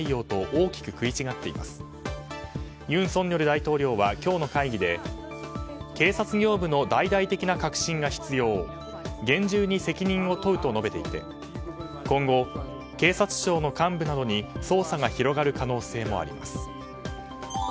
尹錫悦大統領は今日の会議で警察業務の大々的な革新が必要厳重に責任を問うと述べていて今後、警察庁の幹部などに捜査が広がる可能性もあります。